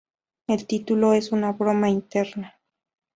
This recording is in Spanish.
El título es una broma interna.